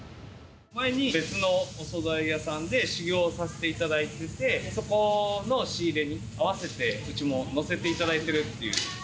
前に別のお総菜屋さんで修業させていただいてて、そこの仕入れに合わせて、うちも乗せていただいてるっていう。